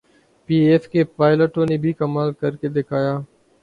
P A F کے پائلٹوں نے بھی کمال کرکے دکھایا۔